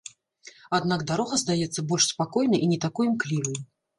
Аднак дарога здаецца больш спакойнай і не такой імклівай.